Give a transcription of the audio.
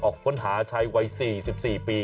ออกค้นหาชายวัย๔๔ปี